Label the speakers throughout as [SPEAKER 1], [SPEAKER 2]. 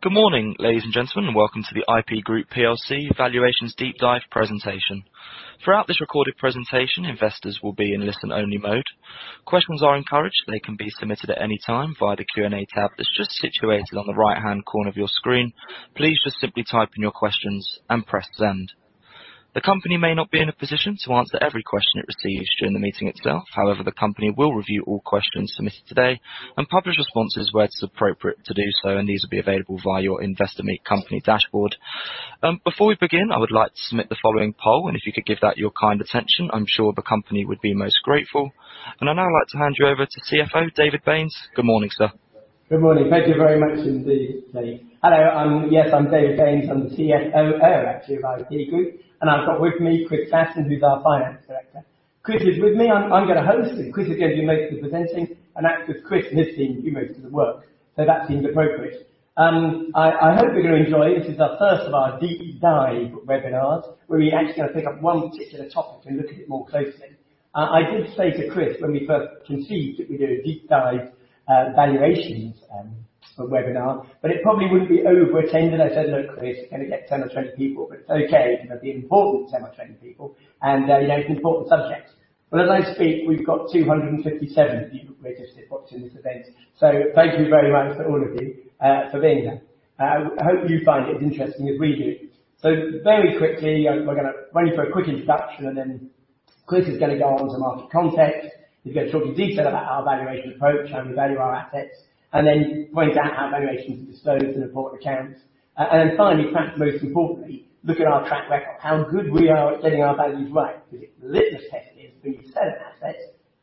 [SPEAKER 1] Good morning, ladies and gentlemen, welcome to the IP Group plc Valuations Deep Dive presentation. Throughout this recorded presentation, investors will be in listen-only mode. Questions are encouraged. They can be submitted at any time via the Q&A tab that's just situated on the right-hand corner of your screen. Please just simply type in your questions and press send. The company may not be in a position to answer every question it receives during the meeting itself. However, the company will review all questions submitted today and publish responses where it is appropriate to do so, and these will be available via your Investor Meet Company dashboard. Before we begin, I would like to submit the following poll, and if you could give that your kind attention, I'm sure the company would be most grateful. I'd now like to hand you over to CFO, David Baynes. Good morning, sir.
[SPEAKER 2] Good morning. Thank you very much indeed, Dave. Hello. Yes, I'm David Baynes. I'm the CFO, actually, of IP Group, and I've got with me Chris Glasson, who's our Finance Director. Chris is with me. I'm gonna host it. Chris is gonna do most of the presenting, and that 'cause Chris and his team do most of the work. That seems appropriate. I hope you're gonna enjoy. This is our first of our deep dive webinars, where we're actually gonna pick up one particular topic and look at it more closely. I did say to Chris when we first conceived that we do a deep dive, valuations, webinar, but it probably wouldn't be overattended. I said, "Look, Chris, it's gonna get 10 or 20 people, but it's okay. You know, it'll be important 10 or 20 people, and, you know, it's an important subject. As I speak, we've got 257 people registered for today's event. Thank you very much to all of you for being here. I hope you find it as interesting as we do. Very quickly, we're gonna ready for a quick introduction, and then Chris is gonna go on to market context. He's gonna talk in detail about our valuation approach, how we value our assets, and then point out how valuations are disposed in the report accounts. And then finally, perhaps most importantly, look at our track record. How good we are at getting our values right. Because the litmus test is when you sell an asset,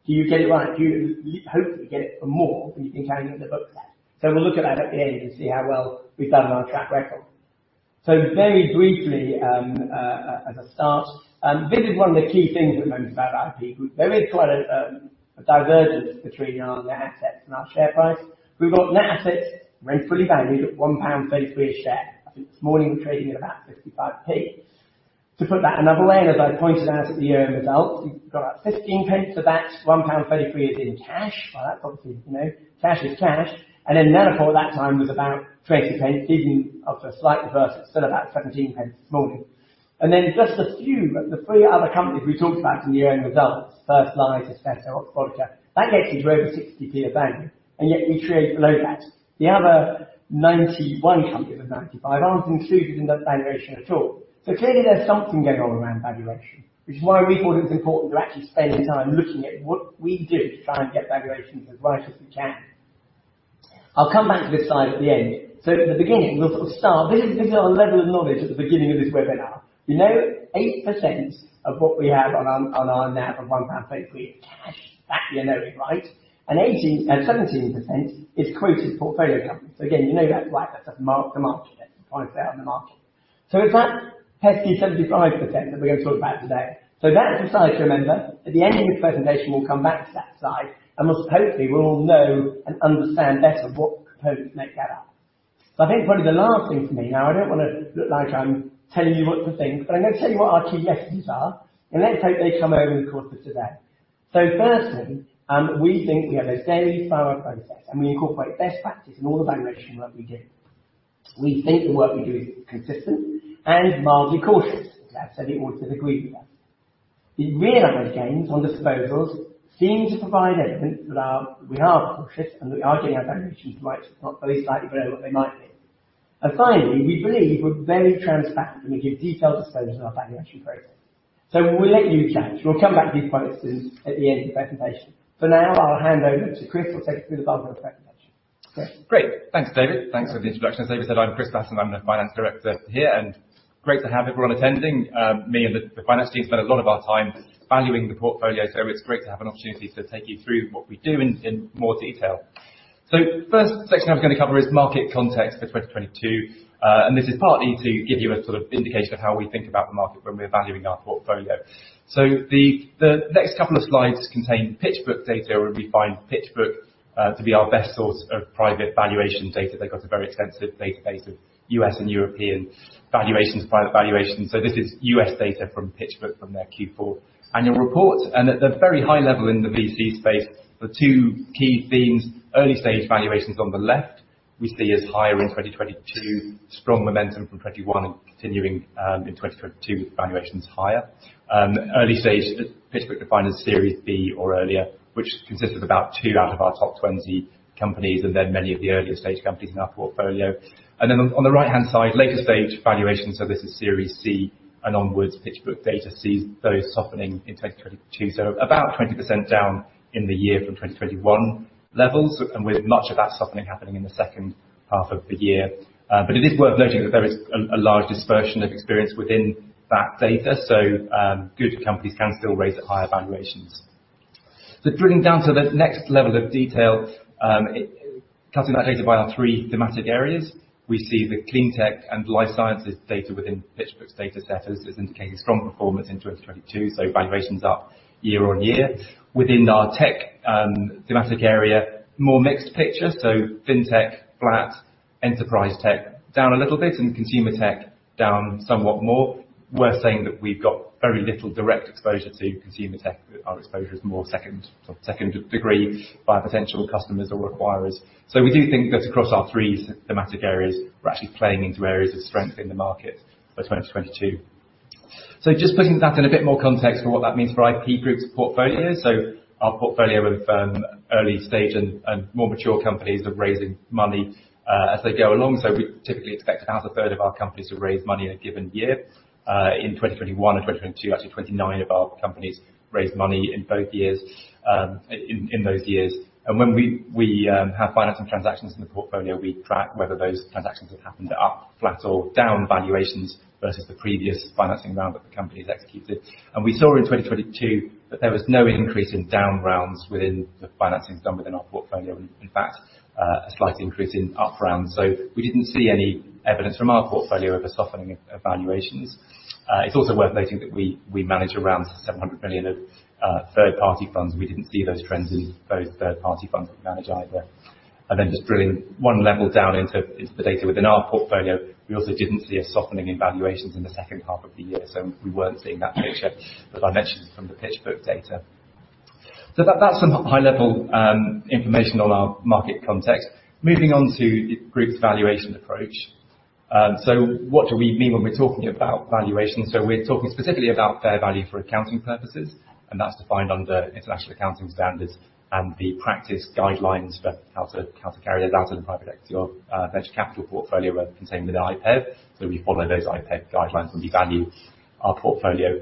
[SPEAKER 2] do you get it right? Do you hopefully get it for more than you've been carrying in the books at? We'll look at that at the end and see how well we've done on our track record. Very briefly, as a start, this is one of the key things at the moment about IP Group. There is quite a divergence between our net assets and our share price. We've got net assets rated fully valued at 1.33 pound a share. I think this morning we're trading at about 0.55. To put that another way, and as I pointed out at the year-end results, we've got about 0.15 of that 1.33 pound is in cash. Well, that's obviously, you know, cash is cash. Athenex at that time was about GBP 20p, even after a slight reverse, it's still about 17 pence this morning. Just a few, the three other companies we talked about in the year-end results, First Light, Especo, Oxbotica, that gets you to over GBP 60p of value, and yet we trade below that. The other 91 companies of 95 aren't included in that valuation at all. Clearly there's something going on around valuation, which is why we thought it was important to actually spend time looking at what we do to try and get valuations as right as we can. I'll come back to this slide at the end. At the beginning, we'll sort of start. This is our level of knowledge at the beginning of this webinar. You know, 8% of what we have on our NAV of 1.33 pound is cash. That you know it, right? 17% is quoted portfolio companies. Again, you know that's right. That's a mark to market. That's the price they are on the market. It's that pesky 75% that we're gonna talk about today. That's the slide to remember. At the end of the presentation, we'll come back to that slide, and we'll hopefully we'll all know and understand better what components make that up. I think probably the last thing for me, now, I don't wanna look like I'm telling you what to think, but I'm gonna tell you what our key messages are, and let's hope they come over in the course of today. Firstly, we think we have a steady, thorough process, and we incorporate best practice in all the valuation work we do. We think the work we do is consistent and mildly cautious. As I said, the auditors agree with that. The realized gains on disposals seem to provide evidence that we are cautious and that we are getting our valuations right, if not at least slightly better than what they might be. Finally, we believe we're very transparent, and we give detailed disclosure in our valuation process. We'll let you judge. We'll come back to these points at the end of the presentation. For now, I'll hand over to Chris, who'll take you through the bulk of the presentation. Chris.
[SPEAKER 3] Great. Thanks, David. Thanks for the introduction. As David said, I'm Chris Glasson. I'm the Finance Director here, and great to have everyone attending. Me and the finance team spend a lot of our time valuing the portfolio, so it's great to have an opportunity to take you through what we do in more detail. First section I'm gonna cover is market context for 2022, and this is partly to give you a sort of indication of how we think about the market when we're valuing our portfolio. The next couple of slides contain PitchBook data, where we find PitchBook to be our best source of private valuation data. They've got a very extensive database of U.S. and European valuations, private valuations. This is U.S. data from PitchBook from their Q4 annual report. At the very high level in the VC space, the two key themes, early-stage valuations on the left, we see as higher in 2022. Strong momentum from 2021 continuing in 2022 with valuations higher. Early stage, PitchBook defined as Series B or earlier, which consists of about two out of our top 20 companies and then many of the earlier stage companies in our portfolio. On the right-hand side, later stage valuations, so this is Series C and onwards. PitchBook data sees those softening in 2022, so about 20% down in the year from 2021 levels and with much of that softening happening in the second half of the year. It is worth noting that there is a large dispersion of experience within that data. Good companies can still raise at higher valuations. Drilling down to the next level of detail, cutting that data by our three thematic areas, we see the clean tech and life sciences data within PitchBook's datasets is indicating strong performance in 2022, so valuations up year-over-year. Within our tech thematic area, more mixed picture. Fintech flat, enterprise tech down a little bit, and consumer tech down somewhat more. We're saying that we've got very little direct exposure to consumer tech. Our exposure is more second degree via potential customers or acquirers. We do think that across our three thematic areas, we're actually playing into areas of strength in the market for 2022. Just putting that in a bit more context for what that means for IP Group's portfolio. Our portfolio of early stage and more mature companies are raising money as they go along. We typically expect about a third of our companies to raise money in a given year. In 2021 and 2022, actually 29 of our companies raised money in both years, in those years. When we have financing transactions in the portfolio, we track whether those transactions have happened at up, flat or down valuations versus the previous financing round that the company has executed. We saw in 2022 that there was no increase in down rounds within the financing done within our portfolio, and in fact, a slight increase in up rounds. We didn't see any evidence from our portfolio of a softening of valuations. It's also worth noting that we manage around 700 million of third-party funds. We didn't see those trends in those third-party funds we manage either. Just drilling one level down into the data within our portfolio, we also didn't see a softening in valuations in the second half of the year, so we weren't seeing that picture that I mentioned from the PitchBook data. That's some high-level information on our market context. Moving on to the group's valuation approach. What do we mean when we're talking about valuation? We're talking specifically about fair value for accounting purposes, and that's defined under international accounting standards and the practice guidelines for how to carry it out in the private equity or venture capital portfolio are contained within IPEV. We follow those IPEV guidelines when we value our portfolio.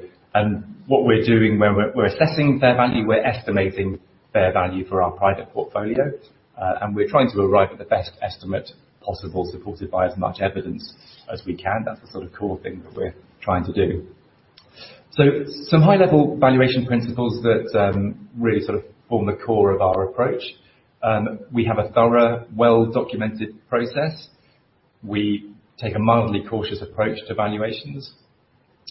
[SPEAKER 3] What we're doing when we're assessing fair value, we're estimating fair value for our private portfolio. We're trying to arrive at the best estimate possible, supported by as much evidence as we can. That's the sort of core thing that we're trying to do. Some high-level valuation principles that really sort of form the core of our approach. We have a thorough, well-documented process. We take a mildly cautious approach to valuations.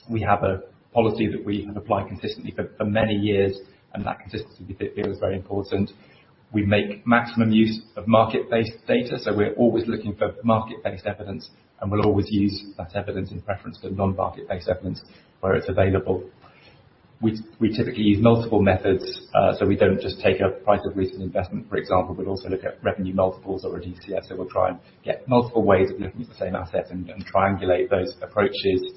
[SPEAKER 3] We have a policy that we have applied consistently for many years, that consistency we feel is very important. We make maximum use of market-based data, we're always looking for market-based evidence, we'll always use that evidence in preference to non-market-based evidence where it's available. We typically use multiple methods, we don't just take a price of recent investment, for example, but also look at revenue multiples or a DCF. We'll try and get multiple ways of looking at the same asset and triangulate those approaches.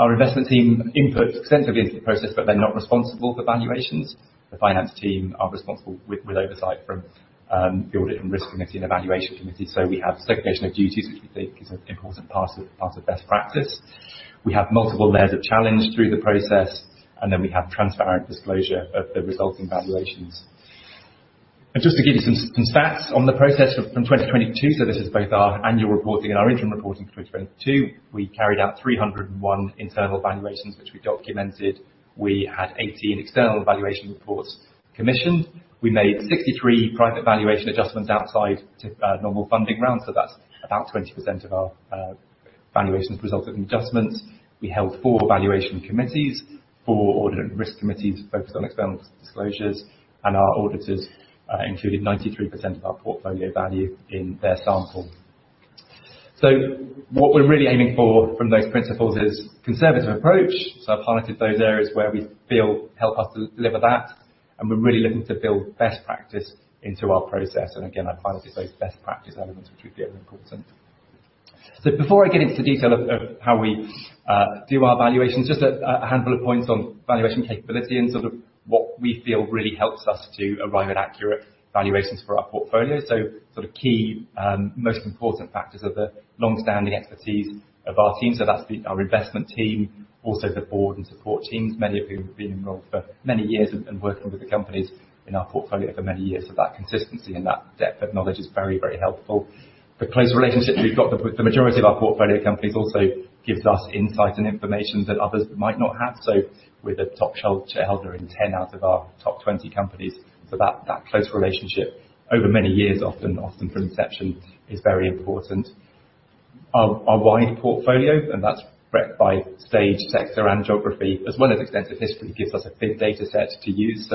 [SPEAKER 3] Our investment team input extensively into the process, but they're not responsible for valuations. The finance team are responsible with oversight from the audit and risk committee and evaluation committee. We have segregation of duties, which we think is an important part of best practice. We have multiple layers of challenge through the process, and then we have transparent disclosure of the resulting valuations. Just to give you some stats on the process from 2022, this is both our annual reporting and our interim reporting for 2022. We carried out 301 internal valuations, which we documented. We had 18 external valuation reports commissioned. We made 63 private valuation adjustments outside normal funding rounds. That's about 20% of our valuations resulted in adjustments. We held four valuation committees, four audit and risk committees focused on external disclosures, and our auditors included 93% of our portfolio value in their sample. What we're really aiming for from those principles is conservative approach. I've highlighted those areas where we feel help us to deliver that, and we're really looking to build best practice into our process. Again, I've highlighted those best practice elements which we feel are important. Before I get into the detail of how we do our valuations, just a handful of points on valuation capability and sort of what we feel really helps us to arrive at accurate valuations for our portfolio. Sort of key, most important factors are the long-standing expertise of our team. That's our investment team, also the board and support teams, many of whom have been enrolled for many years and working with the companies in our portfolio for many years. That consistency and that depth of knowledge is very, very helpful. The close relationship we've got with the majority of our portfolio companies also gives us insight and information that others might not have. We're the top shareholder in 10 out of our top 20 companies. That close relationship over many years often from inception is very important. Our wide portfolio, and that's breadth by stage, sector and geography as well as extensive history gives us a big data set to use.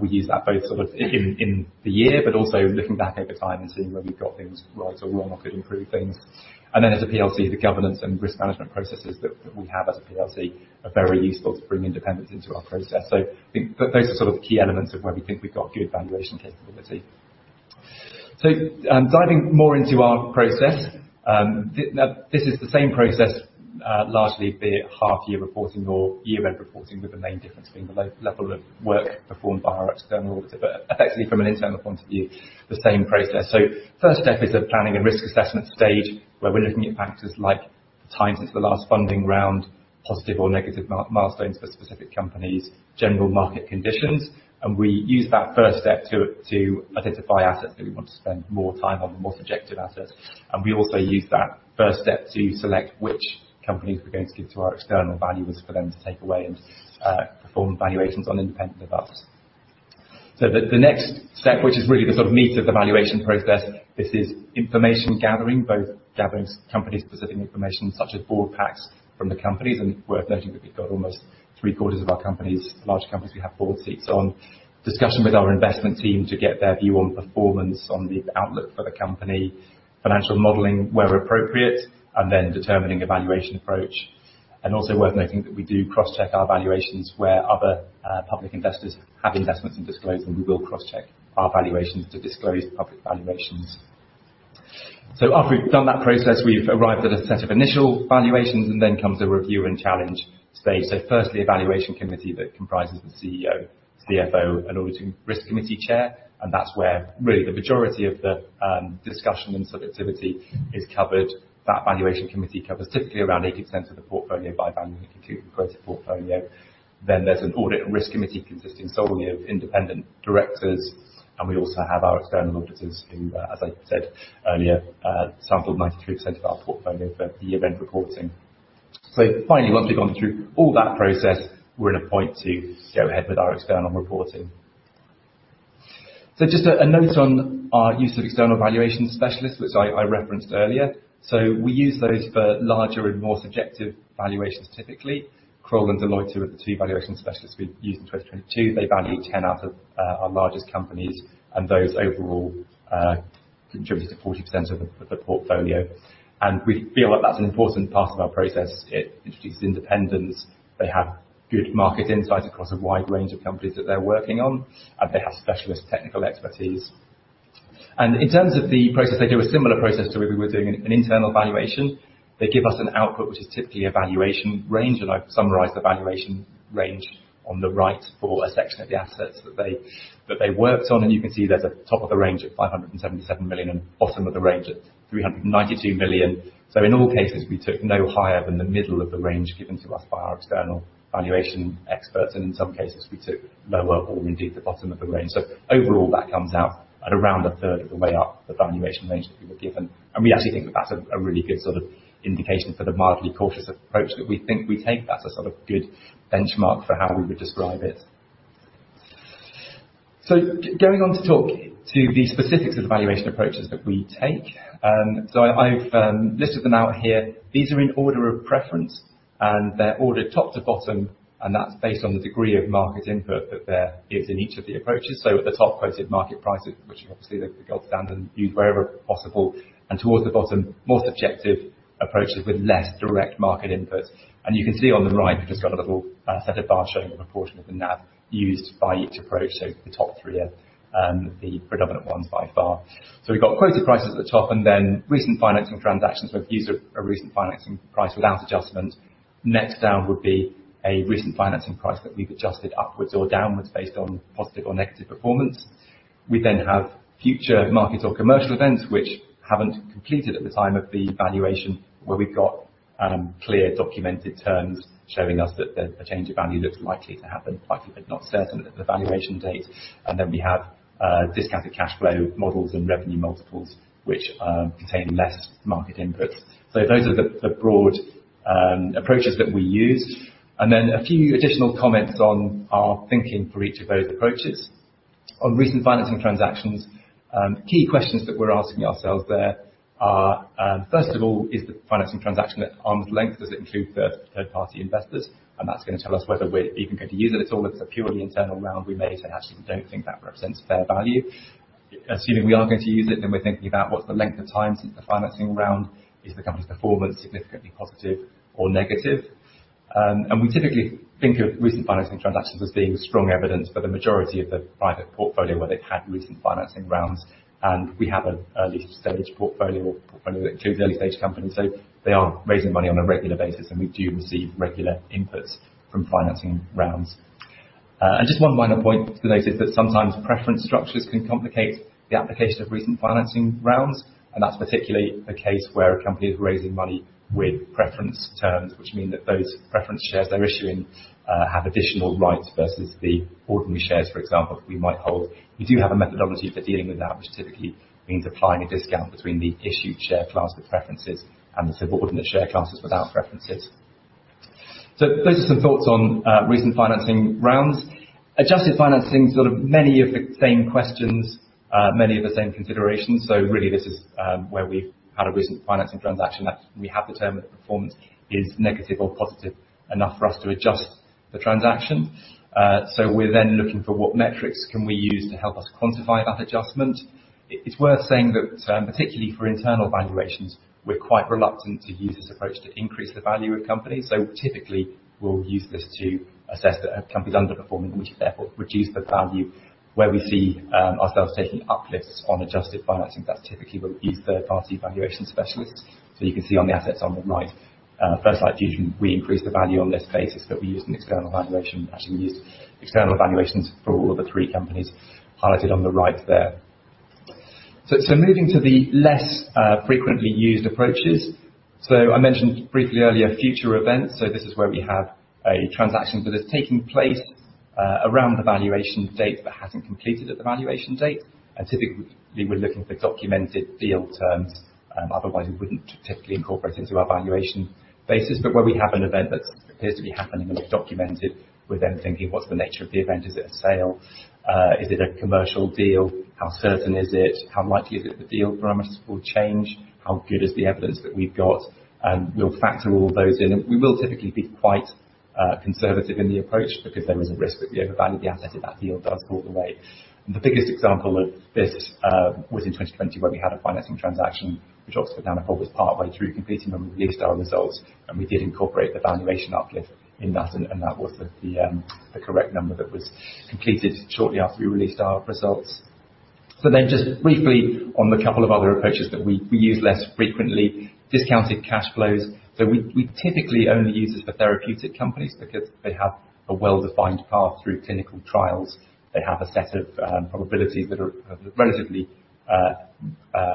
[SPEAKER 3] We use that both sort of in the year, but also looking back over time and seeing where we've got things right or wrong or could improve things. As a PLC, the governance and risk management processes that we have as a PLC are very useful to bring independence into our process. I think those are sort of the key elements of where we think we've got good valuation capability. Diving more into our process, now this is the same process, largely be it half year reporting or year-end reporting, with the main difference being the level of work performed by our external auditor, but effectively from an internal point of view, the same process. First step is the planning and risk assessment stage, where we're looking at factors like time since the last funding round, positive or negative milestones for specific companies, general market conditions. We use that first step to identify assets that we want to spend more time on, the more subjective assets. We also use that first step to select which companies we're going to give to our external valuers for them to take away and perform valuations on independently of us. The next step, which is really the sort of meat of the valuation process. This is information gathering, both gathering company-specific information such as board packs from the companies. It's worth noting that we've got almost three quarters of our companies, large companies we have board seats on. Discussion with our investment team to get their view on performance, on the outlook for the company. Financial modeling where appropriate, and then determining a valuation approach. Worth noting that we do cross-check our valuations where other public investors have investments and disclose, and we will cross-check our valuations to disclosed public valuations. After we've done that process, we've arrived at a set of initial valuations, then comes a review and challenge stage. Firstly, a valuation committee that comprises the CEO, CFO, and Audit and Risk Committee Chair. That's where really the majority of the discussion and subjectivity is covered. That valuation committee covers typically around 80% of the portfolio by valuing a quoted portfolio. There's an Audit and Risk Committee consisting solely of independent directors. We also have our external auditors who, as I said earlier, sampled 93% of our portfolio for the event reporting. Finally, once we've gone through all that process, we're at a point to go ahead with our external reporting. Just a note on our use of external valuation specialists, which I referenced earlier. We use those for larger and more subjective valuations, typically. Kroll and Deloitte are the two valuation specialists we used in 2022. They valued 10 out of our largest companies, and those overall contributed to 40% of the portfolio. We feel like that's an important part of our process. It introduces independence. They have good market insight across a wide range of companies that they're working on, and they have specialist technical expertise. In terms of the process, they do a similar process to if we were doing an internal valuation. They give us an output which is typically a valuation range. I've summarized the valuation range on the right for a section of the assets that they worked on. You can see there's a top of the range at $577 million and bottom of the range at $392 million. In all cases, we took no higher than the middle of the range given to us by our external valuation experts, and in some cases we took lower or indeed the bottom of the range. Overall that comes out at around a third of the way up the valuation range that we were given. We actually think that that's a really good sort of indication for the mildly cautious approach that we think we take. That's a sort of good benchmark for how we would describe it. Going on to talk to the specifics of the valuation approaches that we take. I've listed them out here. These are in order of preference, and they're ordered top to bottom, and that's based on the degree of market input that there is in each of the approaches. At the top quoted market prices, which are obviously the gold standard and used wherever possible, and towards the bottom, more subjective approaches with less direct market input. You can see on the right we've just got a little set of bars showing the proportion of the NAV used by each approach. The top three are the predominant ones by far. We've got quoted prices at the top and then recent financing transactions. We've used a recent financing price without adjustment. Next down would be a recent financing price that we've adjusted upwards or downwards based on positive or negative performance. We then have future markets or commercial events which haven't completed at the time of the valuation, where we've got clear documented terms showing us that there's a change of value that's likely to happen. Likely but not certain at the valuation date. We have discounted cash flow models and revenue multiples, which contain less market input. Those are the broad approaches that we use. A few additional comments on our thinking for each of those approaches. On recent financing transactions, key questions that we're asking ourselves there are, first of all, is the financing transaction at arm's length? Does it include third-party investors? That's gonna tell us whether we're even going to use it at all. If it's a purely internal round we made, so actually we don't think that represents fair value. Assuming we are going to use it, then we're thinking about what's the length of time since the financing round. Is the company's performance significantly positive or negative? We typically think of recent financing transactions as being strong evidence for the majority of the private portfolio where they've had recent financing rounds. We have an early-stage portfolio, a portfolio that includes early-stage companies. They are raising money on a regular basis, and we do receive regular inputs from financing rounds. Just one minor point to note is that sometimes preference structures can complicate the application of recent financing rounds, and that's particularly the case where a company is raising money with preference terms, which mean that those preference shares they're issuing have additional rights versus the ordinary shares, for example, that we might hold. We do have a methodology for dealing with that, which typically means applying a discount between the issued share class with preferences and the subordinate share classes without preferences. Those are some thoughts on recent financing rounds. Adjusted financing, sort of many of the same questions, many of the same considerations. Really this is where we've had a recent financing transaction that we have determined that the performance is negative or positive enough for us to adjust the transaction. We're then looking for what metrics can we use to help us quantify that adjustment. It's worth saying that, particularly for internal valuations, we're quite reluctant to use this approach to increase the value of companies. Typically we'll use this to assess that a company's underperforming, which therefore reduce the value. Where we see ourselves taking uplifts on adjusted financing, that's typically where we use third-party valuation specialists. You can see on the assets on the right, First Light Fusion, we increased the value on this basis, but we used an external valuation. Actually, we used external valuations for all of the three companies highlighted on the right there. Moving to the less frequently used approaches. I mentioned briefly earlier future events. This is where we have a transaction that is taking place around the valuation date but hasn't completed at the valuation date. Typically we're looking for documented deal terms, otherwise we wouldn't typically incorporate it into our valuation basis. Where we have an event that appears to be happening and is documented, we're then thinking: What's the nature of the event? Is it a sale? Is it a commercial deal? How certain is it? How likely is it the deal parameters will change? How good is the evidence that we've got? We'll factor all of those in. We will typically be quite conservative in the approach because there is a risk that we overvalue the asset if that deal does fall away. The biggest example of this was in 2020 where we had a financing transaction for Oxford Nanopore was partway through completing when we released our results, and we did incorporate the valuation uplift in that, and that was the correct number that was completed shortly after we released our results. Just briefly on the couple of other approaches that we use less frequently. Discounted cash flows. We typically only use this for therapeutic companies because they have a well-defined path through clinical trials. They have a set of probabilities that have relatively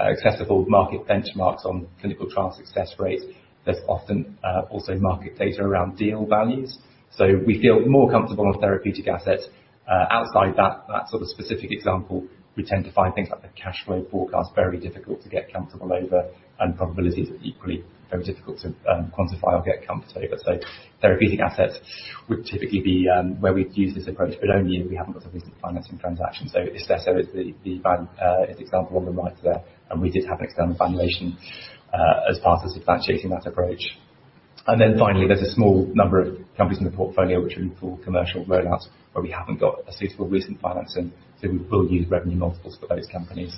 [SPEAKER 3] accessible market benchmarks on clinical trial success rates. There's often also market data around deal values. We feel more comfortable on therapeutic assets. Outside that sort of specific example, we tend to find things like the cash flow forecast very difficult to get comfortable over, and probabilities are equally very difficult to quantify or get comfort over. Therapeutic assets would typically be where we'd use this approach, but only if we haven't got a recent financing transaction. Istesso is the example on the right there, and we did have an external valuation as part of substantiating that approach. Finally, there's a small number of companies in the portfolio which we call commercial roll-outs, where we haven't got a suitable recent financing, so we will use revenue multiples for those companies.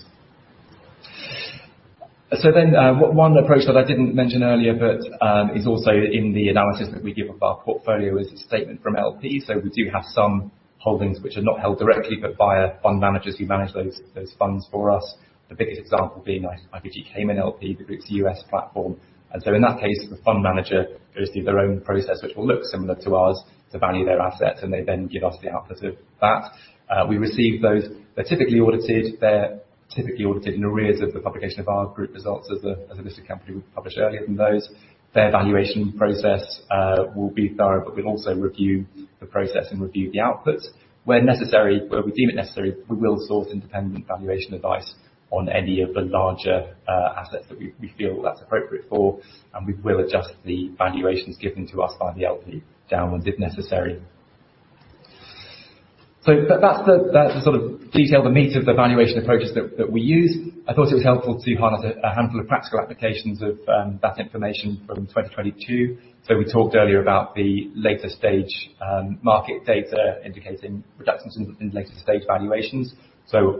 [SPEAKER 3] One approach that I didn't mention earlier but is also in the analysis that we give of our portfolio is a statement from LP. We do have some holdings which are not held directly, but by a fund managers who manage those funds for us. The biggest example being IPG Cayman LP, the group's U.S. platform. In that case, the fund manager goes through their own process, which will look similar to ours, to value their assets, and they then give us the output of that. We receive those. They're typically audited. They're typically audited in arrears of the publication of our group results. As a listed company, we publish earlier than those. Their valuation process will be thorough, but we'll also review the process and review the outputs. Where we deem it necessary, we will source independent valuation advice on any of the larger assets that we feel that's appropriate for, and we will adjust the valuations given to us by the LP downwards if necessary. That's the sort of detail, the meat of the valuation approaches that we use. I thought it was helpful to harness a handful of practical applications of that information from 2022. We talked earlier about the later stage market data indicating reductions in later stage valuations.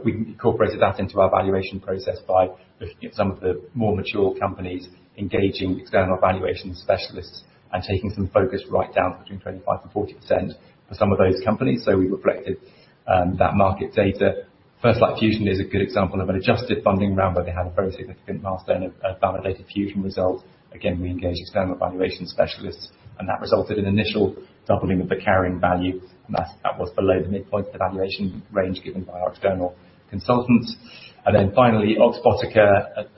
[SPEAKER 3] We incorporated that into our valuation process by looking at some of the more mature companies engaging external valuation specialists and taking some focus right down between 25%-40% for some of those companies. We reflected that market data. First Light Fusion is a good example of an adjusted funding round where they had a very significant milestone of validated fusion results. We engaged external valuation specialists, that resulted in initial doubling of the carrying value, and that was below the midpoint valuation range given by our external consultants. Finally Oxbotica,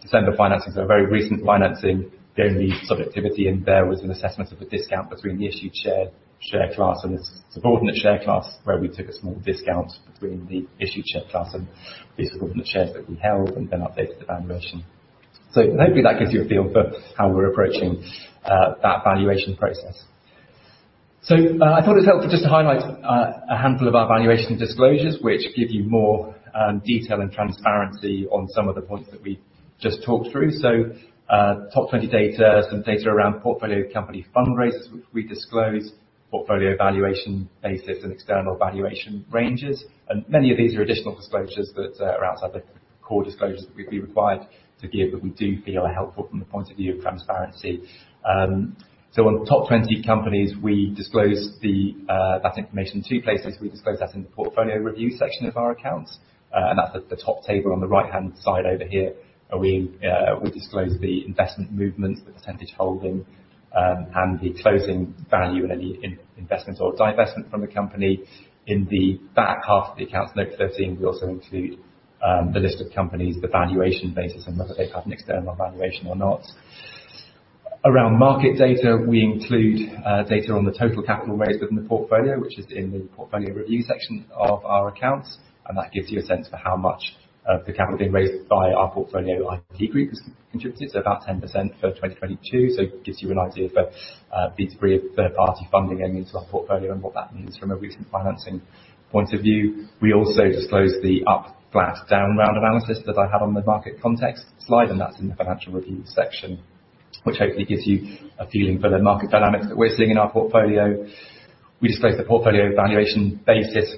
[SPEAKER 3] December financing, a very recent financing. The subjectivity in there was an assessment of the discount between the issued share class and its subordinate share class, where we took a small discount between the issued share class and the subordinate shares that we held updated the valuation. Hopefully that gives you a feel for how we're approaching that valuation process. I thought it was helpful just to highlight a handful of our valuation disclosures, which give you more detail and transparency on some of the points that we just talked through. Top 20 data, some data around portfolio company fundraisers, which we disclose, portfolio valuation basis and external valuation ranges. Many of these are additional disclosures that are outside the core disclosures that we'd be required to give, but we do feel are helpful from the point of view of transparency. On top 20 companies, we disclose that information in two places. We disclose that in the portfolio review section of our accounts, that's at the top table on the right-hand side over here. We disclose the investment movements, the percentage holding, and the closing value in any in-investments or divestment from the company. In the back half of the account, Note 13, we also include the list of companies, the valuation basis, and whether they've had an external valuation or not. Around market data, we include data on the total capital raised within the portfolio, which is in the portfolio review section of our accounts, and that gives you a sense for how much of the capital being raised by our portfolio IP Group has contributed, so about 10% for 2022. It gives you an idea for the degree of third-party funding going into our portfolio and what that means from a recent financing point of view. We also disclose the up flat down round analysis that I have on the market context slide. That's in the financial review section, which hopefully gives you a feeling for the market dynamics that we're seeing in our portfolio. We disclose the portfolio valuation basis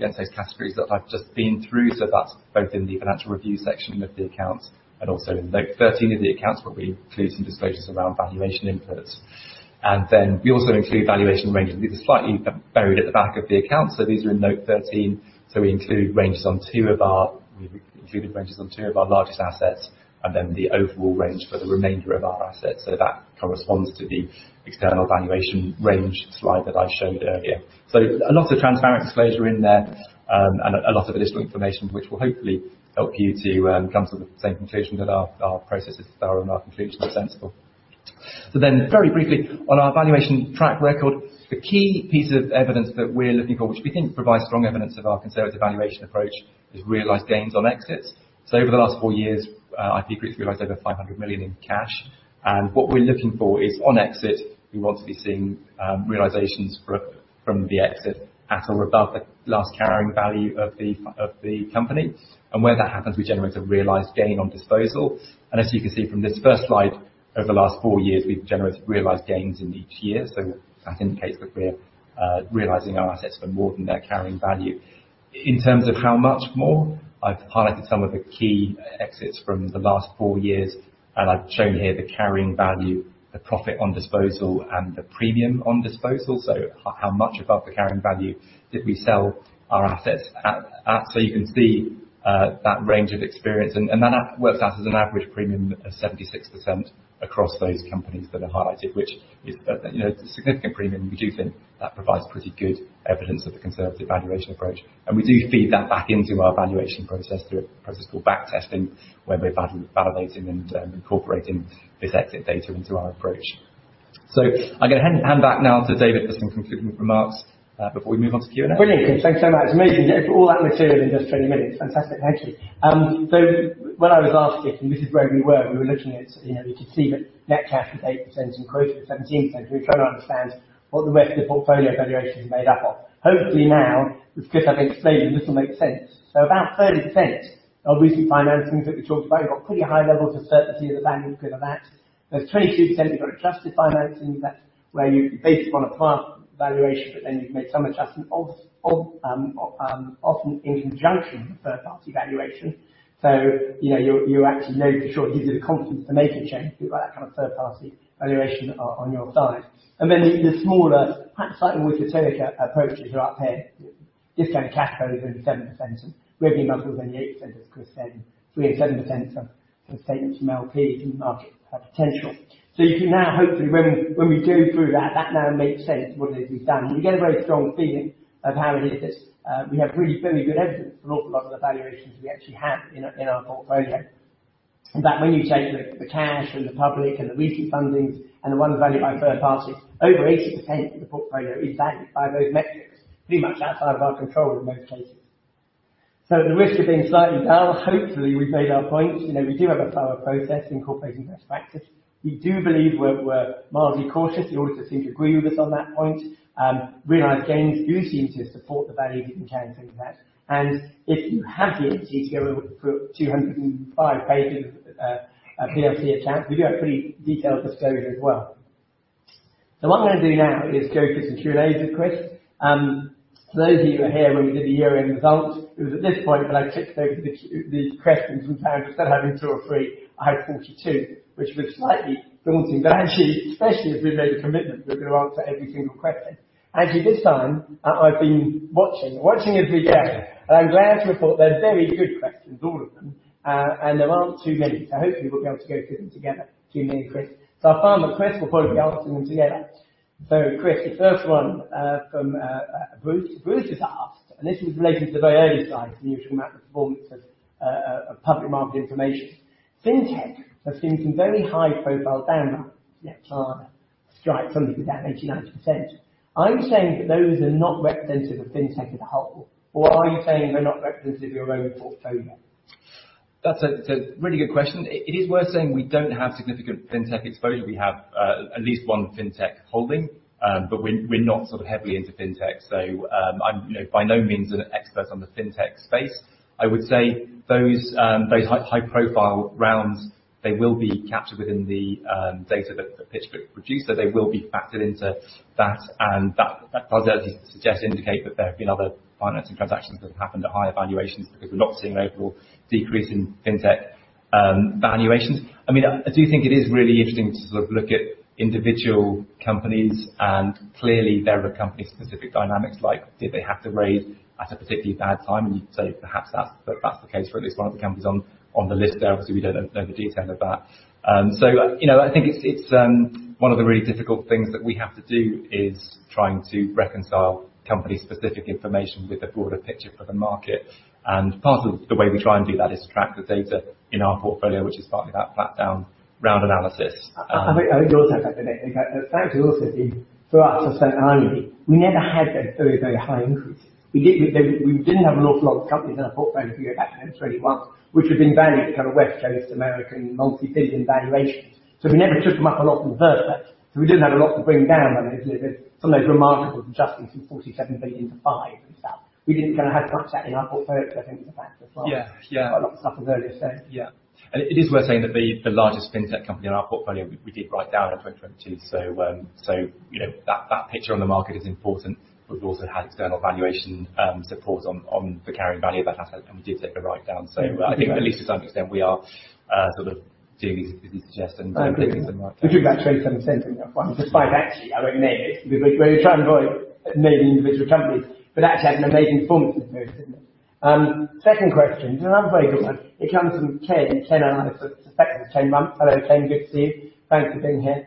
[SPEAKER 3] against those categories that I've just been through, so that's both in the financial review section of the accounts and also in Note 13 of the accounts where we include some disclosures around valuation inputs. We also include valuation ranges. These are slightly buried at the back of the account. These are in Note 13. We've included ranges on two of our largest assets and then the overall range for the remainder of our assets. That corresponds to the external valuation range slide that I showed earlier. A lot of transparent disclosure in there, and a lot of additional information which will hopefully help you to come to the same conclusion that our process is thorough and our conclusions are sensible. Very briefly, on our valuation track record, the key piece of evidence that we're looking for, which we think provides strong evidence of our conservative valuation approach, is realized gains on exits. Over the last four years, IP Group's realized over 500 million in cash. What we're looking for is on exit, we want to be seeing realizations for, from the exit at or above the last carrying value of the company. Where that happens, we generate a realized gain on disposal. As you can see from this first slide, over the last four years, we've generated realized gains in each year. That indicates that we're realizing our assets for more than their carrying value. In terms of how much more, I've highlighted some of the key exits from the last four years, and I've shown here the carrying value, the profit on disposal, and the premium on disposal. How much above the carrying value did we sell our assets at. You can see that range of experience and that works out as an average premium of 76% across those companies that are highlighted, which is, you know, a significant premium. You do think that provides pretty good evidence of the conservative valuation approach. We do feed that back into our valuation process through a process called backtesting, where we're validating and incorporating this exit data into our approach. I'm gonna hand back now to David for some concluding remarks before we move on to Q&A.
[SPEAKER 2] Brilliant. Thanks so much. Amazing. You get through all that material in just 20 minutes. Fantastic. Thank you. When I was asked if this is where we were, we were looking at, you know, you could see that net cash was 8% and quoted at 17%. We were trying to understand what the rest of the portfolio valuation is made up of. Hopefully now, because I've explained it, this will make sense. About 30% of recent financings that we talked about, you've got pretty high levels of certainty in the value because of that. There's 22%, you've got adjusted financings. That's where you base it on a plant valuation, but then you've made some adjustments of often in conjunction with third-party valuation. You know, you actually know for sure it gives you the confidence to make a change if you've got that kind of third-party valuation on your side. The smaller, perhaps slightly more esoteric approaches are up here. Discounted Cash Flow is only 7%. Revenue multiple is only 8%, as Chris said, and 3% and 7% from statements from LP, current market potential. You can now hopefully when we go through that now makes sense what it is we've done. We get a very strong feeling of how it is that we have really very good evidence for an awful lot of the valuations we actually have in our portfolio. When you take the cash and the public and the recent fundings and the ones valued by third parties, over 80% of the portfolio is backed by those metrics, pretty much outside of our control in most cases. At the risk of being slightly dull, hopefully, we've made our points. You know, we do have a thorough process incorporating best practice. We do believe we're mildly cautious. The auditors seem to agree with us on that point. Realized gains do seem to support the values we've been carrying things at. If you have the energy to go through it, 205 pages of our PLC account, we do have pretty detailed disclosure as well. What I'm gonna do now is go for some Q&A with Chris. For those of you who were here when we did the year-end results, it was at this point that I ticked over these questions from 10, instead of having two or three, I had 42, which was slightly daunting. Actually, especially as we've made a commitment that we're gonna answer every single question. Actually, this time, I've been watching as we go, and I'm glad to report they're very good questions, all of them. There aren't too many, so hopefully we'll be able to go through them together, between me and Chris. I found them. Chris, we'll probably be answering them together. Chris, the first one, from Bruce. Bruce has asked, this was related to the very early slides when you were talking about the performance of public market information. Fintech has seen some very high-profile down rounds. You know, strike something down 80%, 90%. Are you saying that those are not representative of Fintech as a whole, or are you saying they're not representative of your own portfolio?
[SPEAKER 3] That's a really good question. It, it is worth saying we don't have significant fintech exposure. We have, at least one fintech holding, but we're not sort of heavily into fintech. I'm, you know, by no means an expert on the fintech space. I would say those high-profile rounds, they will be captured within the, data that the PitchBook produced. They will be factored into that, and that does at least suggest, indicate that there have been other financing transactions that have happened at higher valuations because we're not seeing an overall decrease in fintech, valuations. I mean, I do think it is really interesting to sort of look at individual companies, and clearly, there are company-specific dynamics like, did they have to raise at a particularly bad time? You could say perhaps that's the case for at least one of the companies on the list there. Obviously, we don't know the detail of that. You know, I think it's one of the really difficult things that we have to do is trying to reconcile company-specific information with the broader picture for the market. Part of the way we try and do that is to track the data in our portfolio, which is partly that flat down round analysis.
[SPEAKER 2] I think you also have to admit that the fact is also been for us, as I said earlier, we never had those very, very high increases. We didn't have an awful lot of companies in our portfolio if you go back to 2021, which had been valued at kind of West Coast American multi-billion valuations. We never took them up a lot in the first place. We didn't have a lot to bring down. I mean, some of those remarkable adjustments from 47 billion to 5 billion and stuff. We didn't, you know, have as much of that in our portfolio. I think it's a factor as well.
[SPEAKER 3] Yeah. Yeah.
[SPEAKER 2] A lot of the stuff, as earlier said.
[SPEAKER 3] It is worth saying that the largest Fintech company in our portfolio, we did write down in 2022. You know, that picture on the market is important, but we've also had external valuation support on the carrying value of that asset, and we did take a write-down. I think at least to some extent, we are sort of doing these suggestions and doing some write-downs.
[SPEAKER 2] We took that 27% in that one. It's a five, actually. I won't name it. We're trying to avoid naming individual companies. That's had an amazing performance since we invested. Second question, another very good one. It comes from Ken. Ken, I know it's effective 10 months. Hello, Ken. Good to see you. Thanks for being here.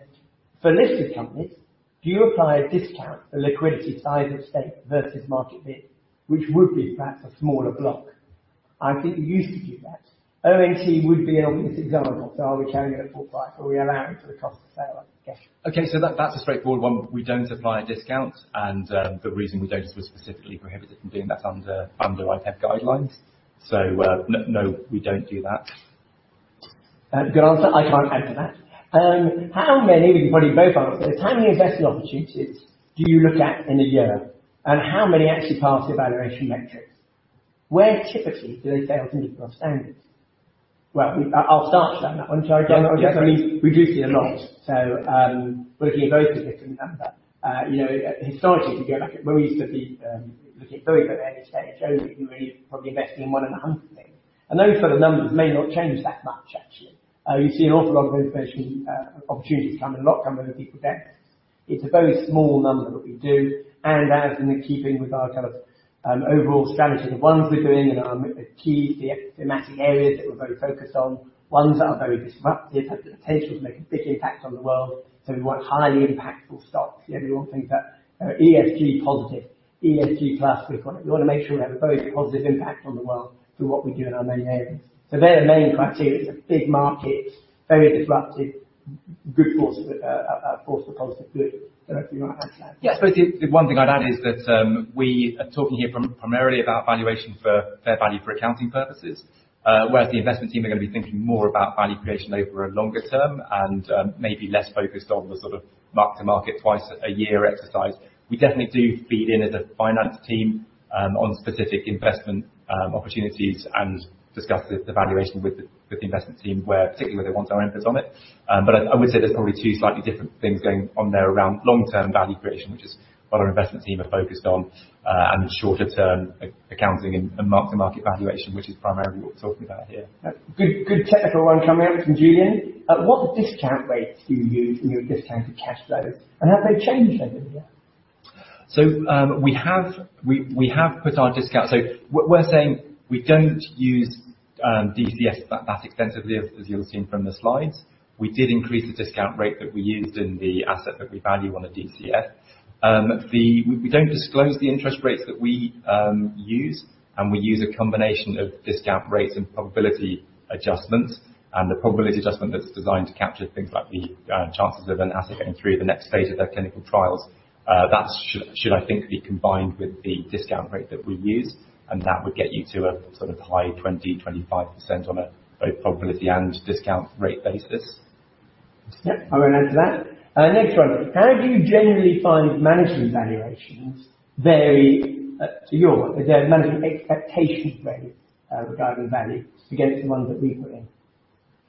[SPEAKER 2] For listed companies, do you apply a discount for liquidity size of stake versus market bid, which would be perhaps a smaller block? I think you used to do that. OMT would be an obvious example. Are we carrying it at book value or are we allowing for the cost of sale, I guess?
[SPEAKER 3] That's a straightforward one. We don't apply a discount. The reason we don't is we're specifically prohibited from doing that under IPEV guidelines. No, we don't do that.
[SPEAKER 2] Good answer. I can't add to that. We can probably both answer this. How many investment opportunities do you look at in a year, and how many actually pass the valuation metrics? Where typically do they fail to meet your standards? Well, I'll start with that one, shall I, Dan?
[SPEAKER 3] Yeah.
[SPEAKER 2] I mean, we do see a lot, so, we're looking at a very significant number. You know, historically, if you go back when we used to be, looking at very, very early-stage only, you were only probably investing in one in 100 things. Those sort of numbers may not change that much, actually. We see an awful lot of information, opportunities come in, and a lot come in at different depths. It's a very small number that we do, and as in keeping with our kind of, overall strategy, the ones we're doing and are the key thematic areas that we're very focused on, ones that are very disruptive, have the potential to make a big impact on the world, so we want highly impactful stocks. You know, we want things that are ESG positive, ESG plus we call it. We wanna make sure we have a very positive impact on the world through what we do in our main areas. They're the main criteria. It's a big market, very disruptive, good forces, a force for positive good. Don't know if you wanna add to that.
[SPEAKER 3] Yes. The one thing I'd add is that we are talking here primarily about valuation for fair value for accounting purposes, whereas the investment team are going to be thinking more about value creation over a longer term and maybe less focused on the sort of mark-to-market twice a year exercise. We definitely do feed in as a finance team on specific investment opportunities and discuss the valuation with the investment team where, particularly where they want our input on it. I would say there's probably two slightly different things going on there around long-term value creation, which is what our investment team are focused on, and the shorter term accounting and mark-to-market valuation, which is primarily what we're talking about here.
[SPEAKER 2] Good technical one coming up from Julian. What discount rates do you use in your discounted cash flows, and have they changed over the year?
[SPEAKER 3] We have put our discount... We're saying we don't use DCF that extensively as you'll have seen from the slides. We did increase the discount rate that we used in the asset that we value on a DCF. We don't disclose the interest rates that we use, and we use a combination of discount rates and probability adjustments. The probability adjustment that's designed to capture things like the chances of an asset getting through the next phase of their clinical trials, that should I think be combined with the discount rate that we use, and that would get you to a sort of high 20%-25% on a both probability and discount rate basis.
[SPEAKER 2] I won't add to that. Next one: How do you generally find management valuations vary Their management expectations vary regarding value against the ones that we put in?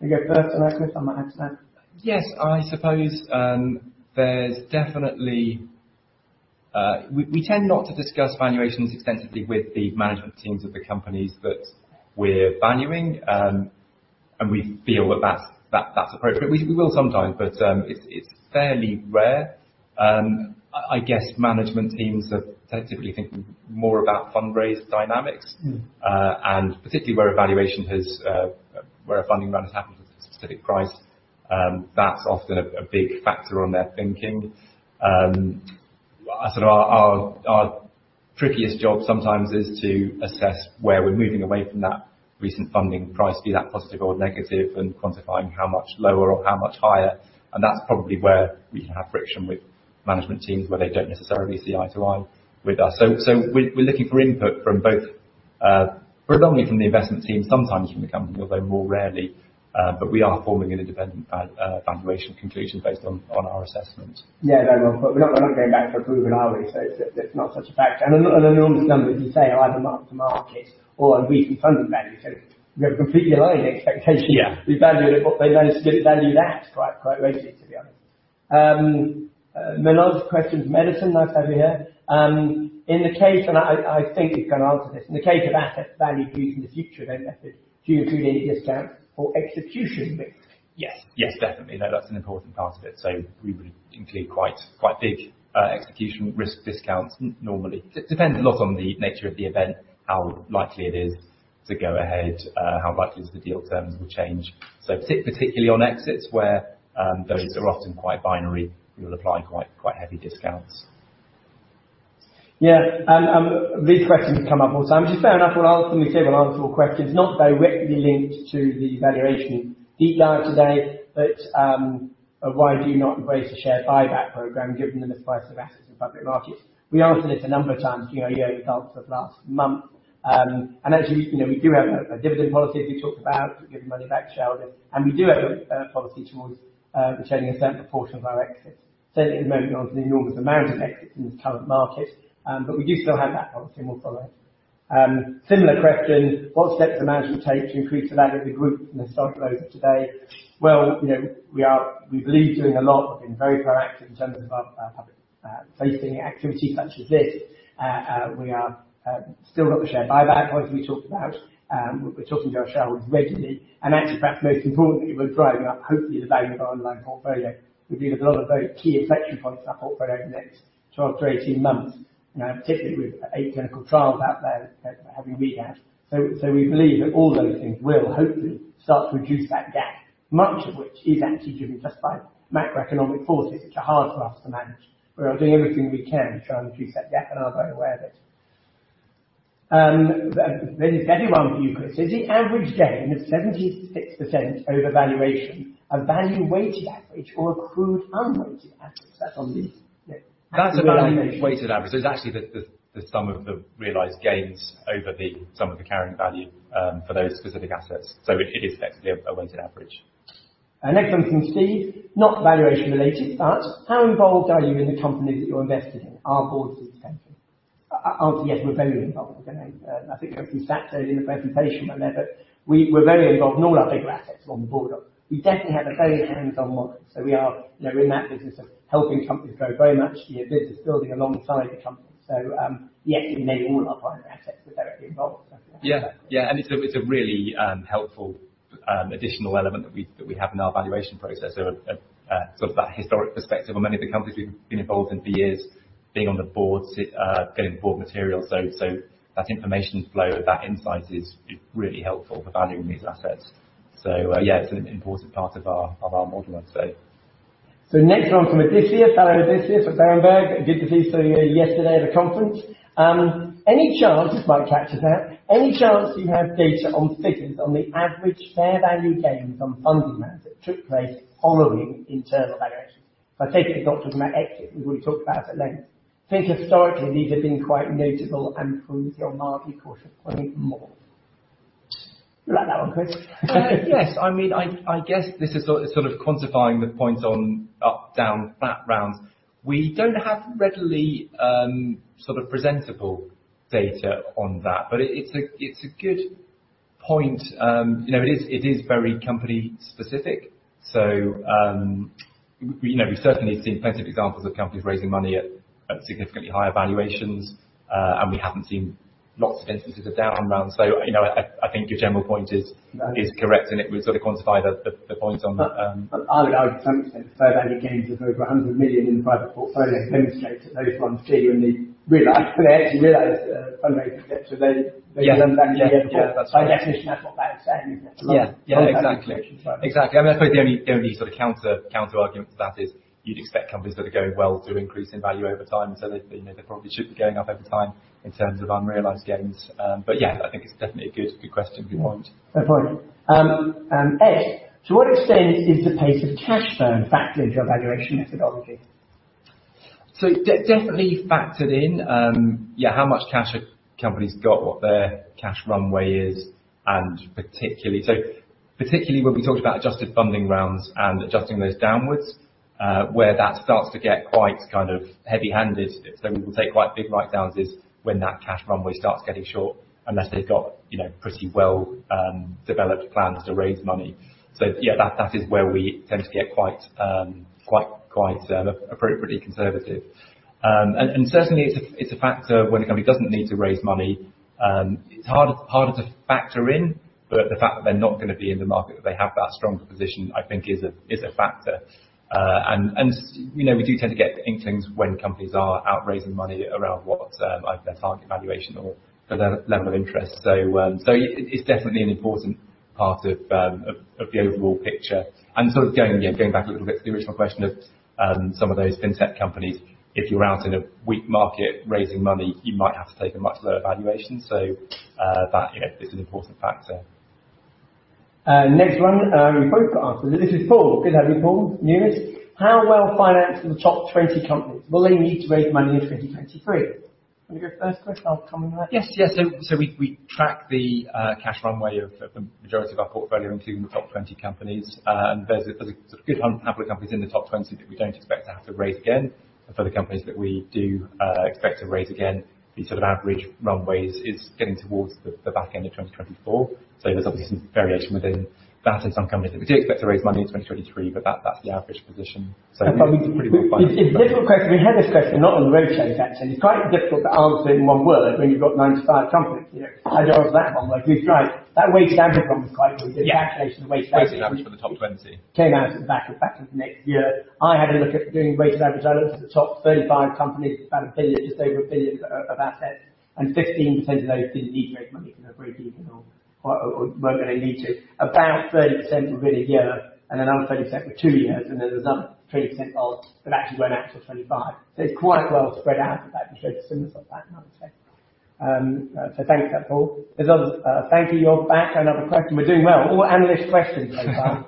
[SPEAKER 2] You go first, and I might come back to that.
[SPEAKER 3] Yes. I suppose, we tend not to discuss valuations extensively with the management teams of the companies that we're valuing, and we feel that that's appropriate. We will sometimes, but it's fairly rare. I guess management teams are typically thinking more about fundraise dynamics.
[SPEAKER 2] Mm.
[SPEAKER 3] Particularly where a valuation has where a funding round has happened at a specific price, that's often a big factor on their thinking. Sort of our trickiest job sometimes is to assess where we're moving away from that recent funding price, be that positive or negative, and quantifying how much lower or how much higher. That's probably where we can have friction with management teams where they don't necessarily see eye to eye with us. We're looking for input from both predominantly from the investment team, sometimes from the company, although more rarely. We are forming an independent valuation conclusion based on our assessment.
[SPEAKER 2] Yeah. No, well, we're not, we're not going back for approval, are we? It's not such a factor. An enormous number, as you say, are either mark to market or on recent funding value. We have a completely aligned expectation.
[SPEAKER 3] Yeah.
[SPEAKER 2] We value it what they managed to value it at quite rightly, to be honest. Manoj's question from Edison. Nice to have you here. I think you can answer this. In the case of asset value due in the future, then do you include any discount for execution risk?
[SPEAKER 3] Yes. Yes, definitely. No, that's an important part of it. We would include quite big execution risk discounts normally. Depends a lot on the nature of the event, how likely it is to go ahead, how likely the deal terms will change. Particularly on exits where those are often quite binary, we will apply quite heavy discounts.
[SPEAKER 2] Yeah. These questions come up all the time. Just fair enough when often we say we'll answer all questions not directly linked to the valuation deep dive today, but, why do you not embrace a share buyback program given the misplaced of assets in public markets? We answered it a number of times through our year results of last month. Actually, you know, we do have a dividend policy as we talked about. We give money back to shareholders. We do have a policy towards retaining a certain proportion of our exits. Certainly at the moment, we don't have the enormous amount of exits in this current market, but we do still have that policy and we'll follow it. Similar question: What steps the management take to increase the value of the group from the stock close of today? Well, you know, we are, we believe doing a lot. We've been very proactive in terms of our public facing activity such as this. We are still got the share buyback policy we talked about. We're talking to our shareholders regularly. Actually, perhaps most importantly, we're growing our, hopefully, the value of our underlying portfolio. We believe there's a lot of very key inflection points in our portfolio over the next 12-18 months. You know, particularly with eight clinical trials out there that we have. We believe that all those things will hopefully start to reduce that gap, much of which is actually driven just by macroeconomic forces which are hard for us to manage. We are doing everything we can to try and reduce that gap, and are very aware of it. There's Betty Wong from Euclid. Is the average gain of 76% over valuation a value weighted average or a crude unweighted average? That's on the, you know.
[SPEAKER 3] That's a value-
[SPEAKER 2] -Valuation.
[SPEAKER 3] -Weighted average. It's actually the sum of the realized gains over the sum of the carrying value, for those specific assets. It is effectively a weighted average.
[SPEAKER 2] Next one from Steve. Not valuation related, but how involved are you in the companies that you're invested in? Are boards attended? Answer yes, we're very involved with the name. I think we sat earlier in a presentation there, but we're very involved in all our bigger assets on the board. We definitely have a very hands-on model. We are, you know, in that business of helping companies grow very much. Yeah, business building alongside the company. Yes, we made all of our private assets, we're directly involved.
[SPEAKER 3] Yeah. Yeah. It's a really helpful additional element that we have in our valuation process. Sort of that historic perspective on many of the companies we've been involved in for years, being on the board, getting board material. That information flow of that insight is really helpful for valuing these assets. Yeah, it's an important part of our model, I'd say.
[SPEAKER 2] Next one from Odysseus. Hello, Odysseus at Berenberg. Good to see you yesterday at the conference. Any chance, might catch us now. Any chance you have data on figures on the average fair value gains on funding rounds that took place following internal valuations? I take it it's not just about exits. We've already talked about that at length. I think historically these have been quite notable and proves your mark caution point more. You like that one, Chris?
[SPEAKER 3] Yes. I mean, I guess this is sort of quantifying the point on up, down, flat rounds. We don't have readily, sort of presentable data on that, but it's a good point. You know, it is very company specific. We, you know, we've certainly seen plenty of examples of companies raising money at significantly higher valuations. We haven't seen lots of instances of down rounds. You know, I think your general point is correct, and it would sort of quantify the points on.
[SPEAKER 2] I would argue to some extent, the fair value gains of over 100 million in private portfolios demonstrates that those ones genuinely realize, actually realized fundraising steps.
[SPEAKER 3] Yeah.
[SPEAKER 2] By definition, that's what that is saying.
[SPEAKER 3] Yeah. Yeah, exactly. Exactly. I mean, I suppose the only sort of counterargument to that is you'd expect companies that are going well to increase in value over time. They, you know, they probably should be going up over time in terms of unrealized gains. Yeah, I think it's definitely a good question. Good point.
[SPEAKER 2] Good point. Ed, to what extent is the pace of cash burn factored into your valuation methodology?
[SPEAKER 3] Definitely factored in, yeah, how much cash a company's got, what their cash runway is, and particularly. Particularly when we talked about adjusted funding rounds and adjusting those downwards, where that starts to get quite kind of heavy-handed. We will take quite big write-downs is when that cash runway starts getting short, unless they've got, you know, pretty well developed plans to raise money. Yeah, that is where we tend to get quite appropriately conservative. And certainly it's a, it's a factor when a company doesn't need to raise money. It's harder to factor in, but the fact that they're not gonna be in the market, that they have that stronger position, I think is a, is a factor. you know, we do tend to get inklings when companies are out raising money around what their target valuation or the level of interest. It's definitely an important part of the overall picture. Going back a little bit to the original question of some of those fintech companies, if you're out in a weak market raising money, you might have to take a much lower valuation. That, you know, is an important factor.
[SPEAKER 2] Next one, we've both got answers. This is Paul. Good evening, Paul. Numis. How well financed are the top 20 companies? Will they need to raise money in 2023? Want to go first, Chris? I'll come in later.
[SPEAKER 3] Yes. Yes. We track the cash runway of the majority of our portfolio, including the top 20 companies. There's a good number of companies in the top 20 that we don't expect to have to raise again. For the companies that we do expect to raise again, the sort of average runways is getting towards the back end of 2024. There's obviously some variation within that in some companies that we do expect to raise money in 2023, but that's the average position. Pretty well financed.
[SPEAKER 2] It's a different question. We had this question a lot on the roadshow, actually. It's quite difficult to answer in one word when you've got 95 companies. You know? How do you answer that one word? Which is right. That weighted average one was quite good.
[SPEAKER 3] Yeah.
[SPEAKER 2] The calculation of the weighted average.
[SPEAKER 3] Weighted average for the top 20.
[SPEAKER 2] Came out at the back of half of next year. I had a look at doing weighted average. I looked at the top 35 companies, about 1 billion, just over 1 billion of assets, and 15% of those didn't need to raise money for no break even or weren't gonna need to. About 30% were really a year, and another 30% were two years, and then there's another 20% odd that actually went out to 25 years. It's quite well spread out the back. We showed a similar sort of that, I would say. Thanks for that, Paul. There's others. Thank you. You're back. Another question. We're doing well. All analyst questions so far.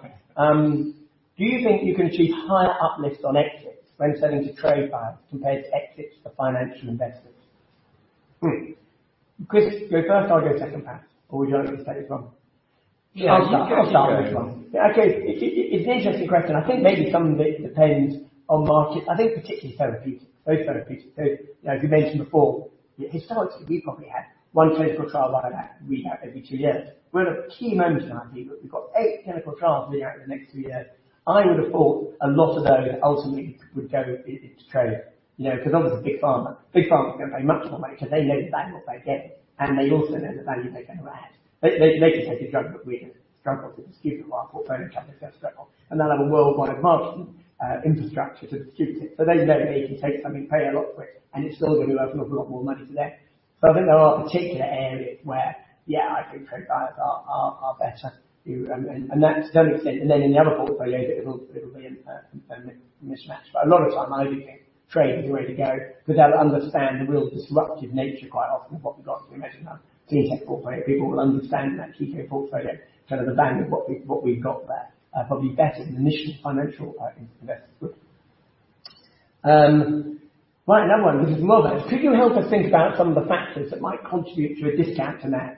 [SPEAKER 2] Do you think you can achieve higher uplifts on exits when selling to trade buyers compared to exits to financial investors? Hmm. Chris, you go first, I'll go second perhaps, or would you like me to start this one?
[SPEAKER 3] Yeah.
[SPEAKER 2] I'll start with this one. Okay. It's an interesting question. I think maybe some of it depends on market. I think particularly therapeutic, both therapeutics. As we mentioned before, historically, we probably had one clinical trial out every two years. We're at a key moment in our view, but we've got eight clinical trials being out in the next three years. I would have thought a lot of those ultimately would go into trade. You know, 'cause obviously Big pharma is gonna pay much more money so they know the value what they're getting, and they also know the value they're gonna add. They can take a drug that we can struggle to distribute or our portfolio companies have struggled, and they'll have a worldwide marketing infrastructure to distribute it. They know they can take something, pay a lot for it, and it's still gonna be worth a lot more money to them. I think there are particular areas where, yeah, I think trade buyers are better. That's to an extent. In the other portfolio, it'll be a mix, mismatch. A lot of time I do think trade is the way to go because they'll understand the real disruptive nature quite often of what we've got if we measure that. Clean tech portfolio, people will understand that. U.K. portfolio, sort of the value of what we've got there, probably better than initial financial partners investors would. Right. Another one. This is Margot. Could you help us think about some of the factors that might contribute to a discount to NAV?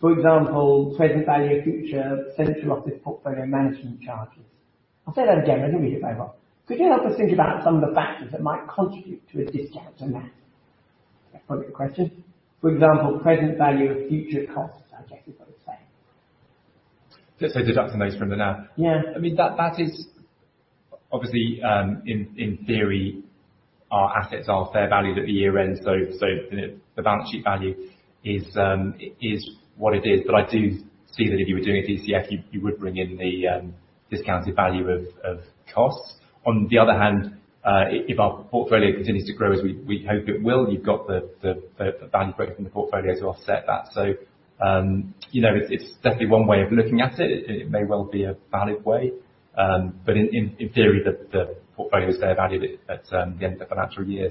[SPEAKER 2] For example, present value of future central office portfolio management charges. I'll say that again. I didn't hear you very well. Could you help us think about some of the factors that might contribute to a discount to NAV? A public question. For example, present value of future costs, I guess is what it's saying.
[SPEAKER 3] Just deducting those from the NAV.
[SPEAKER 2] Yeah.
[SPEAKER 3] I mean, that is obviously, in theory, our assets are fair valued at the year-end, so the balance sheet value is what it is. I do see that if you were doing a DCF, you would bring in the discounted value of costs. On the other hand, if our portfolio continues to grow as we hope it will, you've got the value growth in the portfolio to offset that. You know, it's definitely one way of looking at it. It may well be a valid way. In theory, the portfolio is fair value at the end of the financial year.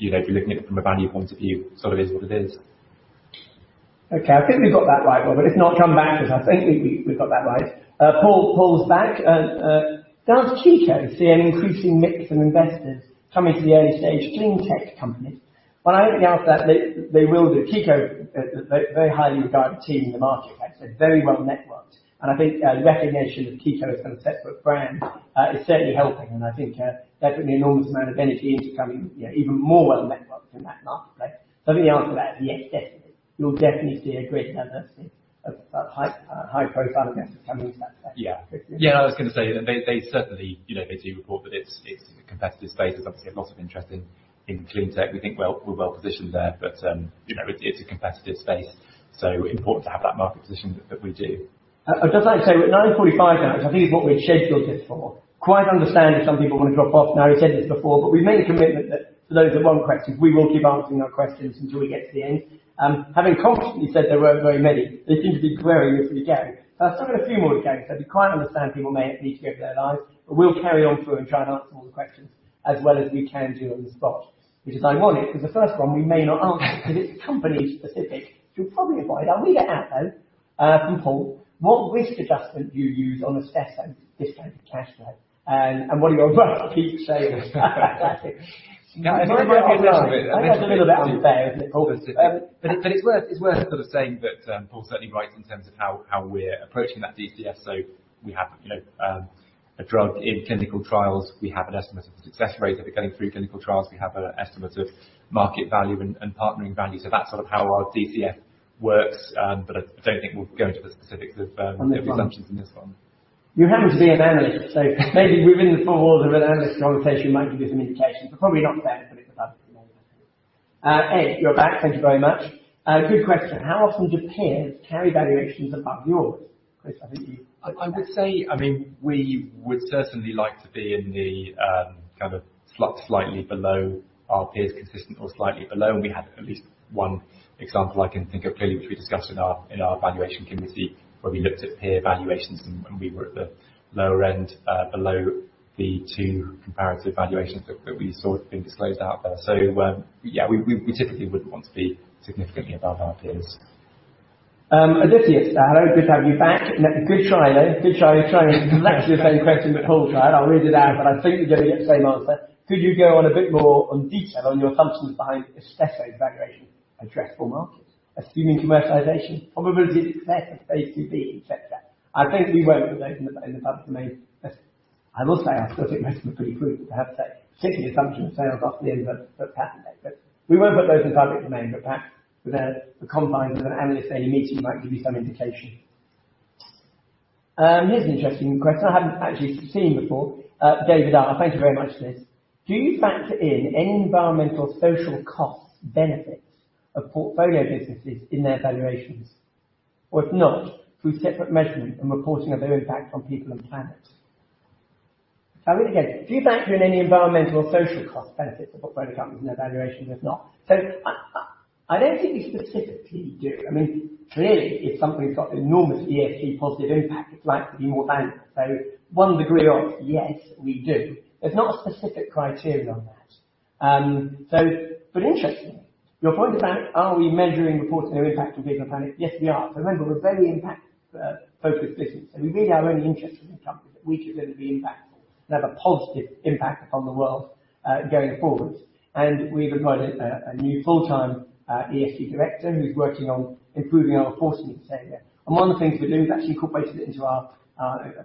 [SPEAKER 3] You know, if you're looking at it from a value point of view, it sort of is what it is.
[SPEAKER 2] Okay. I think we've got that right, Robert. If not, come back to us. I think we've got that right. Paul's back. Does Kiko see an increasing mix of investors coming to the early-stage clean tech companies? I don't think the answer that they will do. Kiko, very highly regarded team in the market, actually, very well-networked. I think recognition of Kiko as kind of textbook brand is certainly helping. I think they're putting an enormous amount of energy into becoming even more well-networked in that marketplace. I think the answer to that is yes, definitely. You'll definitely see a great diversity of high-profile investors coming to that space.
[SPEAKER 3] Yeah. I was going to say they certainly, you know, they do report that it's a competitive space. There's obviously a lot of interest in clean tech. We think we're well-positioned there. You know, it's a competitive space, so important to have that market position that we do.
[SPEAKER 2] I'd just like to say we're at 9:45 A.M. now, which I think is what we scheduled it for. Quite understand if some people wanna drop off now. We said this before, but we made a commitment that for those that want questions, we will keep answering our questions until we get to the end. Having confidently said there weren't very many, there seems to be growing as we go. I'll take a few more to go. I do quite understand people may need to get their lives, but we'll carry on through and try and answer all the questions as well as we can do on the spot. Which is ironic because the first one we may not answer because it's company-specific. You'll probably avoid. I'll read it out, though, from Paul. What risk adjustment do you use on assessing Discounted Cash Flow? Keep saying. Fantastic.
[SPEAKER 3] Can I make a comment on it?
[SPEAKER 2] I know it's a little bit unfair, isn't it, Paul?
[SPEAKER 3] It's worth sort of saying that Paul's certainly right in terms of how we're approaching that DCF. We have, you know, a drug in clinical trials. We have an estimate of the success rate. If they're going through clinical trials, we have an estimate of market value and partnering value. That's sort of how our DCF works. I don't think we'll go into the specifics of the assumptions in this one.
[SPEAKER 2] You happen to be an analyst. Maybe within the four walls of an analyst conversation might give you some indication, but probably not fair to put it in the public domain. Ed, you're back. Thank you very much. Good question. How often do peers carry valuations above yours? Chris, I think you-
[SPEAKER 3] I would say, I mean, we would certainly like to be in the kind of slightly below our peers, consistent or slightly below. We had at least one example I can think of clearly, which we discussed in our valuation committee, where we looked at peer valuations and we were at the lower end, below the two comparative valuations that we saw being disclosed out there. Yeah, we typically wouldn't want to be significantly above our peers.
[SPEAKER 2] Aditya, hello. Good to have you back. Good try, though. Good try. You're trying to actually the same question that Paul tried. I'll read it out, but I think you're going to get the same answer. Could you go on a bit more on detail on your assumptions behind assessing valuation, addressable markets, assuming commercialization, probability of success of phase II-B, etc. I think we won't put those in the public domain. I will say I still think most of them are pretty prudent, I have to say. Particularly assumption of sales after the patent date. We won't put those in public domain. Perhaps within the confines of an analyst day meeting might give you some indication. Here's an interesting question I haven't actually seen before. David R, thank you very much for this. Do you factor in any environmental or social costs, benefits of portfolio businesses in their valuations? If not, through separate measurement and reporting of their impact on people and planet. I'll read it again. Do you factor in any environmental or social cost benefits of portfolio companies in their valuations? If not... I don't think we specifically do. I mean, clearly, if something's got enormous ESG positive impact, it's likely to be more valuable. One degree, yes, we do. There's not specific criteria on that. Interestingly, your point about are we measuring, reporting their impact on people and planet? Yes, we are. Remember, we're a very impact focused business, so we really are only interested in companies which are gonna be impactful and have a positive impact upon the world going forward. We've appointed a new full-time ESG director who's working on improving our reporting in this area. One of the things we're doing is actually incorporated it into our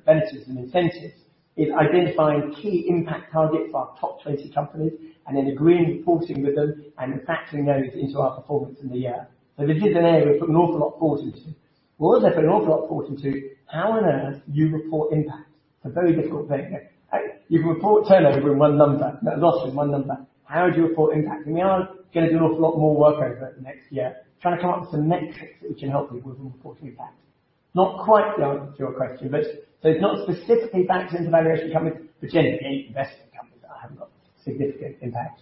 [SPEAKER 2] benefits and incentives, is identifying key impact targets for our top 20 companies and then agreeing reporting with them and factoring those into our performance in the year. This is an area we put an awful lot of thought into. What we also put an awful lot of thought into, how on earth you report impact? It's a very difficult thing. You can report turnover in one number. Net loss in one number. How would you report impact? We are gonna do an awful lot more work over the next year trying to come up with some metrics which can help people with reporting impact. Not quite the answer to your question, but so it's not specifically factored into valuation companies, but generally we invest in companies that have got significant impact.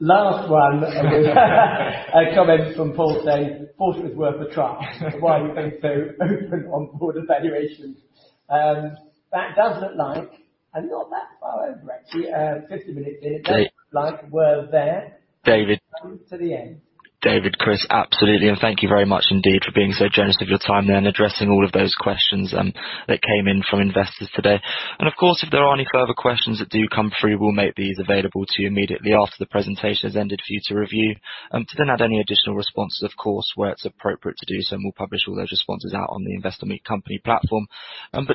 [SPEAKER 2] Last one. A comment from Paul saying, "Thought it was worth a try," why he's being so open on board evaluations. That does look like... I'm not that far over actually. 50 minutes in.
[SPEAKER 1] David.
[SPEAKER 2] Like we're there.
[SPEAKER 1] David.
[SPEAKER 2] Coming to the end.
[SPEAKER 1] David, Chris, absolutely. Thank you very much indeed for being so generous with your time then, addressing all of those questions that came in from investors today. Of course, if there are any further questions that do come through, we'll make these available to you immediately after the presentation has ended for you to review, to then add any additional responses, of course, where it's appropriate to do so, and we'll publish all those responses out on the Investor Meet Company platform.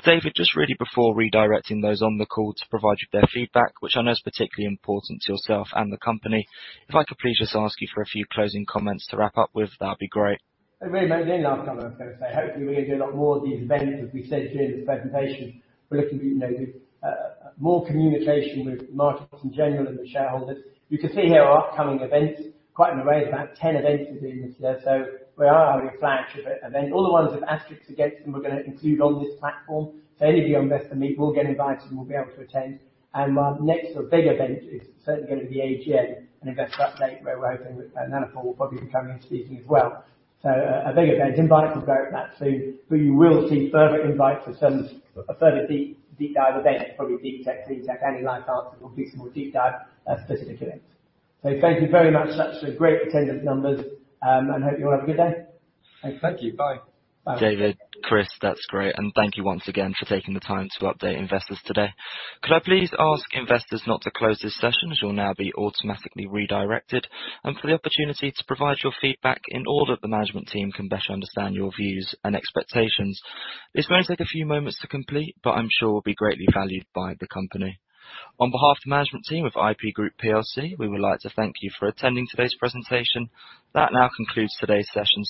[SPEAKER 1] David, just really before redirecting those on the call to provide you their feedback, which I know is particularly important to yourself and the company, if I could please just ask you for a few closing comments to wrap up with, that'd be great.
[SPEAKER 2] The only other comment I'd say, hopefully, we're gonna do a lot more of these events, as we said during this presentation. We're looking at, you know, more communication with the markets in general and with shareholders. You can see here our upcoming events. Quite an array. About 10 events are being listed there. We are having a flash of e-event. All the ones with asterisks against them, we're gonna include on this platform. Any of you on Investor Meet will get invited and will be able to attend. Our next big event is certainly gonna be AGM, an investor update, where we're hoping that Nana will probably be coming and speaking as well. A big event. Invites will go out for that soon. You will see further invites for some, a further deep dive event, probably deep tech, clean tech, any life sciences. We'll do some more deep dive specific events. Thank you very much. That's a great attendance numbers. Hope you all have a good day.
[SPEAKER 3] Thank you. Bye.
[SPEAKER 2] Bye.
[SPEAKER 1] David, Chris, that's great. Thank you once again for taking the time to update investors today. Could I please ask investors not to close this session, as you'll now be automatically redirected, and for the opportunity to provide your feedback in order that the management team can better understand your views and expectations. It's going to take a few moments to complete, but I'm sure will be greatly valued by the company. On behalf of the management team of IP Group plc, we would like to thank you for attending today's presentation. That now concludes today's session.